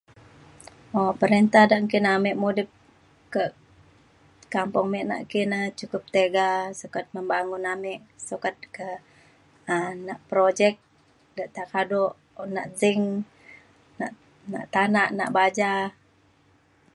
um perinta de nggin ame mudip kak kampung me nak ki na cukup tiga sukat membangun ame sukat ke um nak projek de ta kado. un nak sin nak tanak nak baja.